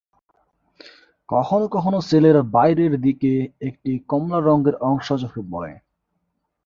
কখনো কখনো সেলের বাইরের দিকে একটি কমলা রঙের অংশ চোখে পড়ে।